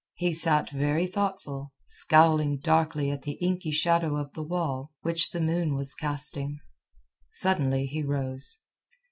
He sat very thoughtful, scowling darkly at the inky shadow of the wall which the moon was casting. Suddenly he rose.